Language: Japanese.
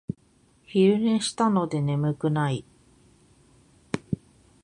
昼寝したので眠くない